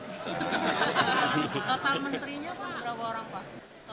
total menterinya pak berapa orang pak